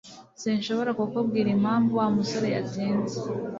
Sinshobora kukubwira impamvu Wa musore yatinze